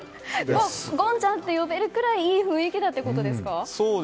ゴンちゃんって呼べるくらいいい雰囲気ということですか？